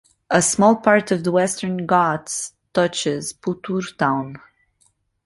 A small part of the Western Ghats touches Puttur town.